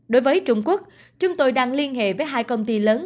đối với trung quốc chúng tôi đang liên hệ với hai công ty lớn